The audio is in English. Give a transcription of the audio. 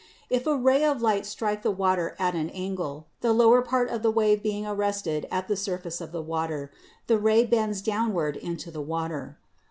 If a ray of light strike the water at an angle, the lower part of the wave being arrested at the surface of the water, the ray bends downward into the water.